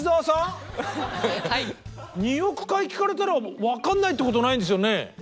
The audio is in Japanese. ２億回聴かれたら分かんないってことないんですよね？